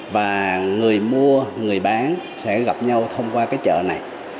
và người mua người bán sẽ gặp nhau thông qua cái chợ này